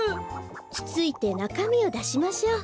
つついてなかみをだしましょう。